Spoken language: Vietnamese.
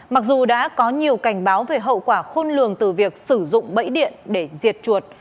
mặc dù đã có nhiều cảnh báo về hậu quả khôn lường từ việc sử dụng bẫy điện để diệt chuột